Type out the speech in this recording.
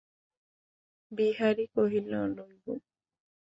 বিহারী কহিল, লইব।